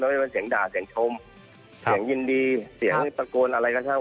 ไม่เป็นเสียงด่าเสียงชมเสียงยินดีเสียงตะโกนอะไรก็เท่า